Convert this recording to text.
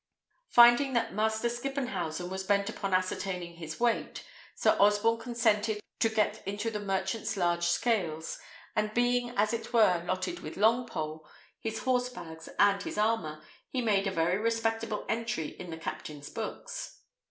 Finding that Master Skippenhausen was bent upon ascertaining his weight, Sir Osborne consented to get into the merchant's large scales; and being as it were lotted with Longpole, his horse bags, and his armour, he made a very respectable entry in the captain's books.